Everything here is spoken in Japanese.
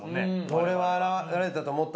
俺は現れたと思った。